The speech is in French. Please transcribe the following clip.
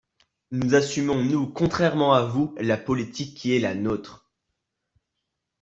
Nous assumons, nous, contrairement à vous, la politique qui est la nôtre.